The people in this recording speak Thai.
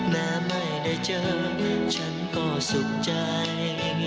แม้ไม่ได้เจอฉันก็สุขใจ